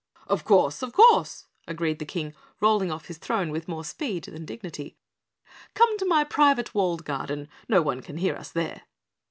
"Of course! Of course!" agreed the King, rolling off his throne with more speed than dignity. "Come to my private walled garden. No one can hear us there."